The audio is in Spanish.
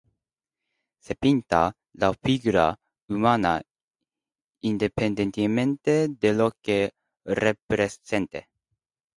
Se pinta la figura humana independientemente de lo que represente.